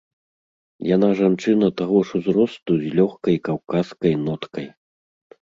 Яна жанчына таго ж узросту з лёгкай каўказскай ноткай.